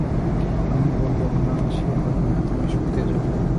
আমি বললুম, না, সে হবে না তুমি শুতে যাও।